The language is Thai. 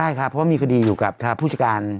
ใช่ครับเพราะว่ามีคดีอยู่กับทางผู้จัดการ